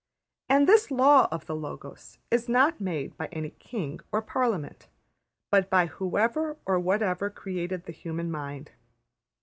And this law of the Logos is made not by any King or Parliament, but by whoever or whatever created the human mind.